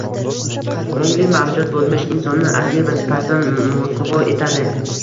ongli mavjudot bo‘lmish insonni asliy vazifasidan mosuvo etadi.